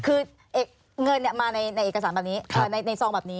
คือเงินมาในเอกสารแบบนี้ในซองแบบนี้